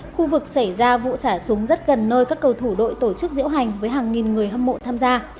khu vực xả súng rất gần nơi các cầu thủ đội tổ chức diễu hành với hàng nghìn người hâm mộ tham gia